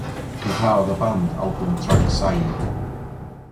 Rhyddhaodd y band albwm trac sain.